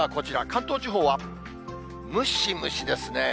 関東地方はムシムシですね。